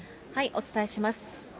お伝えします。